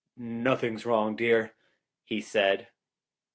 "Nothing wrong, dear," he said.